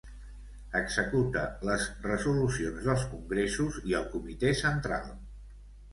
Executa les resolucions dels congressos i el Comitè Central.